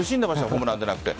ホームラン出なくて。